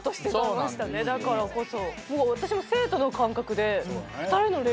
だからこそ。